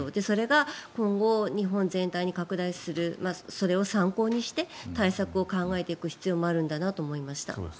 それが今後、日本全体に拡大するそれを参考にして対策を考えていく必要もあるんだなと思いました。